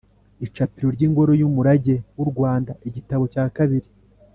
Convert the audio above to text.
Icapiro ry’Ingoro y’Umurage w’u Rwanda, Igitabo cya kabiri,